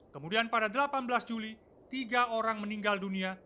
kemudian pada delapan belas juli tiga orang meninggal dunia